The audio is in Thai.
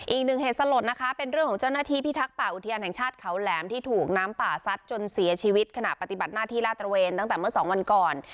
อีกหนึ่งเหตุสลดนะคะเป็นเรื่องของเจ้าหน้าที่พิทักษ์ป่าอุทยานแห่งชาติเขาแหลมที่ถูกน้ำป่าซัดจนเสียชีวิตขณะปฏิบัติหน้าที่ลาดตระเวนตั้งแต่เมื่อสองวันก่อน